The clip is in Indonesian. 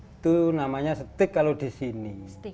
itu namanya stik kalau di sini